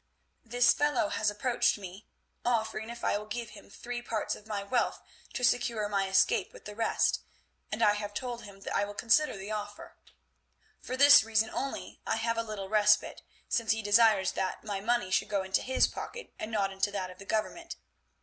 This fellow has approached me, offering if I will give him three parts of my wealth to secure my escape with the rest, and I have told him that I will consider the offer. For this reason only I have a little respite, since he desires that my money should go into his pocket and not into that of the Government.